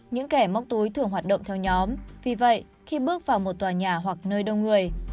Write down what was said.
những kẻ móc túi thường hoạt động theo nhóm vì vậy khi bước vào một tòa nhà hoặc nơi đông người